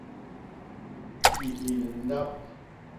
Kwihil ndap.